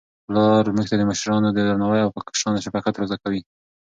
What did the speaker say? پلار موږ ته د مشرانو درناوی او په کشرانو شفقت را زده کوي.